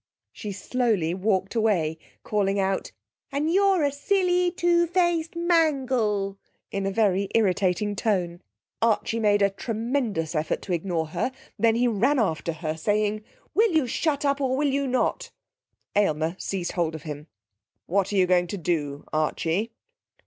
She slowly walked away, calling out: 'And you're a silly two faced mangle,' in a very irritating tone. Archie made a tremendous effort to ignore her, then he ran after her saying: 'Will you shut up or will you not?' Aylmer seized hold of him. 'What are you going to do, Archie?'